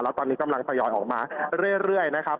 แล้วตอนนี้กำลังทยอยออกมาเรื่อยนะครับ